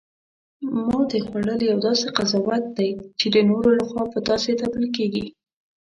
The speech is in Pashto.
ماتې خوړل یو داسې قضاوت دی، چی د نورو لخوا په تاسې تپل کیږي